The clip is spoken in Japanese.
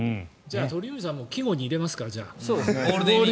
鳥海さんも季語に入れますか。